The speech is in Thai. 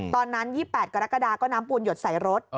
ตอนนั้น๒๘กรกฎาก็น้ำปูนหยดใส่รถ